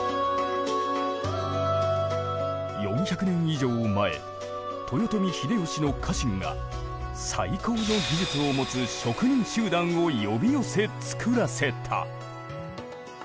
４００年以上前豊臣秀吉の家臣が最高の技術を持つ職人集団を呼び寄せつくらせた。